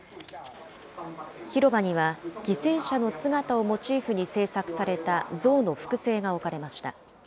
広場には、犠牲者の姿をモチーフに制作された像の複製が置かれました。